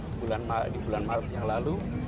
di bulan maret yang lalu